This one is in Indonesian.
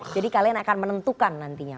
jadi kalian akan menentukan nantinya